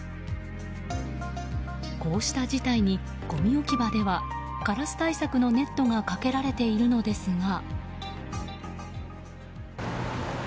こうした事態に、ごみ置き場ではカラス対策のネットがかけられているのですが。